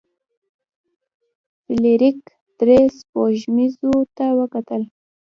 فلیریک درې سپوږمیو ته وکتل.